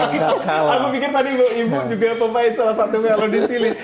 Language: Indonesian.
kamu pikir tadi ibu ibu juga pemain salah satunya kalau di sini